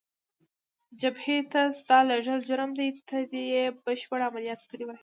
جبهې ته ستا لېږل جرم دی، ته دې یې بشپړ عملیات کړی وای.